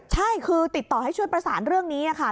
ใช่คือติดต่อให้ช่วยประสานเรื่องนี้ค่ะ